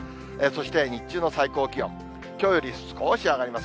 そして日中の最高気温。